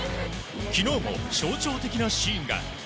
昨日も象徴的なシーンが。